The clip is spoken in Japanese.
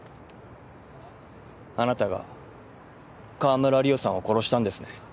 あなたが川村梨央さんを殺したんですね。